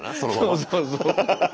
そうそうそう。